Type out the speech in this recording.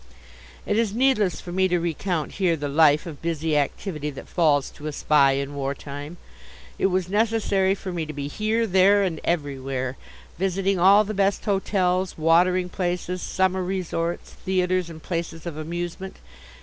It is needless for me to recount here the life of busy activity that falls to a Spy in wartime. It was necessary for me to be here, there and everywhere, visiting all the best hotels, watering places, summer resorts, theatres, and places of amusement.